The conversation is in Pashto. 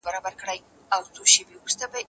زه به مکتب ته تللي وي؟!